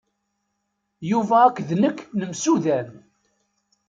Yuba akked nekk nemsudan.